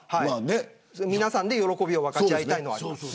皆さんで喜びを分かち合いたいのはあります。